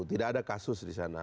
tidak ada kasus di sana